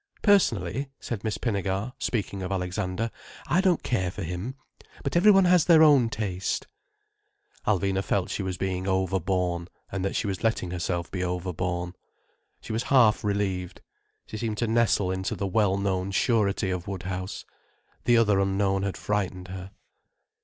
"Personally," said Miss Pinnegar, speaking of Alexander, "I don't care for him. But every one has their own taste." Alvina felt she was being overborne, and that she was letting herself be overborne. She was half relieved. She seemed to nestle into the well known surety of Woodhouse. The other unknown had frightened her.